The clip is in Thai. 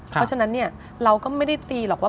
เพราะฉะนั้นเนี่ยเราก็ไม่ได้ตีหรอกว่า